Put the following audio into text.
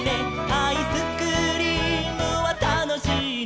「アイスクリームはたのしいね」